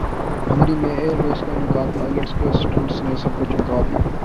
Hungary میں air race کا انعقادپائلٹس کے سٹنٹس نے سب کو چونکا دیا